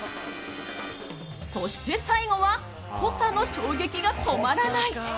そして最後は濃さの衝撃が止まらない。